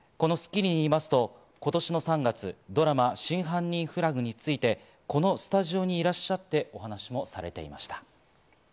この『スッキリ』でいいますと、今年の３月ドラマ『真犯人フラグ』についてこのスタジオにいらっしゃって、お話もされていました。